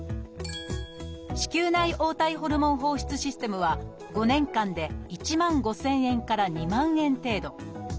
子宮内黄体ホルモン放出システムは５年間で１万５，０００円から２万円程度。